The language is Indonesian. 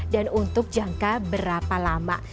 dan untuk jangka berapa lama